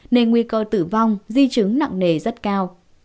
nên nguy cơ tử vong di chứng nặng nề rất cao